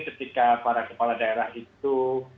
ketika para kepala daerah itu